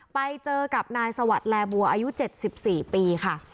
ไปเจอกับนายสวัสดิ์แลบัวอายุ๗๔ปีค่ะ